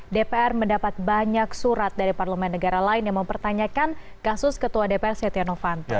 dpr mendapat banyak surat dari parlemen negara lain yang mempertanyakan kasus ketua dpr setia novanto